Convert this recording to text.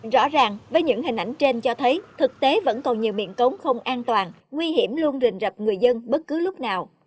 rõ ràng với những hình ảnh trên cho thấy thực tế vẫn còn nhiều miệng cống không an toàn nguy hiểm luôn rình rập người dân bất cứ lúc nào